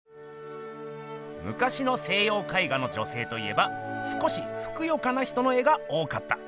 むかしの西よう絵画の女性といえば少しふくよかな人の絵が多かった。